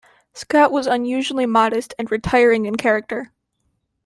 Scott was unusually modest and retiring in character.